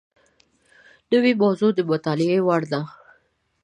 نوې موضوع د مطالعې وړ ده